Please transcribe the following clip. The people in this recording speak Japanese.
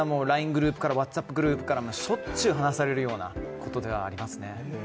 グループからＷｈａｔｓＡｐｐグループからしょっちゅう話されるようなことではありますね。